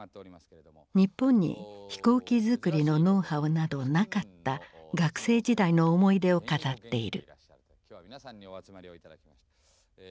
日本に飛行機づくりのノウハウなどなかった学生時代の思い出を語っている。